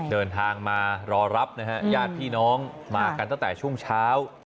เดินทางมารอรับนะฮะญาติพี่น้องมากันตั้งแต่ช่วงเช้า